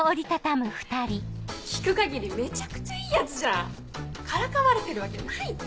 聞く限りめちゃくちゃいいヤツじゃん。からかわれてるわけないって。